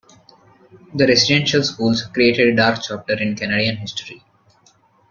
The residential schools created a dark chapter in Canadian history.